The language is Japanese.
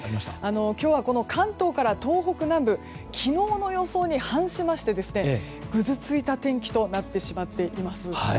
今日は関東から東北南部昨日の予想に反しましてぐずついた天気となってしまっています。